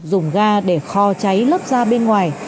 dùng gà để kho cháy lớp da bên ngoài